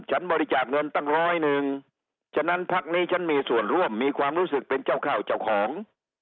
บริจาคเงินตั้งร้อยหนึ่งฉะนั้นพักนี้ฉันมีส่วนร่วมมีความรู้สึกเป็นเจ้าข้าวเจ้าของ